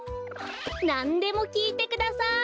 なんでもきいてください。